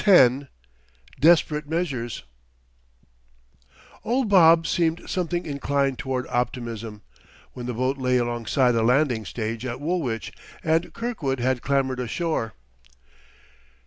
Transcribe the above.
X DESPERATE MEASURES Old Bob seemed something inclined toward optimism, when the boat lay alongside a landing stage at Woolwich, and Kirkwood had clambered ashore.